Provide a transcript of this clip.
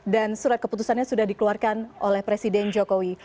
surat keputusannya sudah dikeluarkan oleh presiden jokowi